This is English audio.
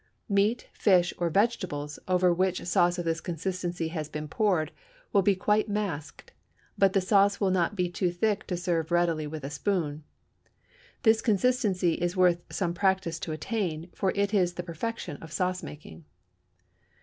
Meat, fish, or vegetables over which sauce of this consistency has been poured will be quite masked, but the sauce will not be too thick to serve readily with a spoon. This consistency is worth some practice to attain, for it is the perfection of sauce making.